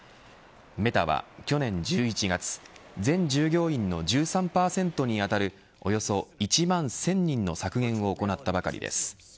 メタは去年１１月全従業員の１３％に当たるおよそ１万１０００人の削減を行ったばかりです。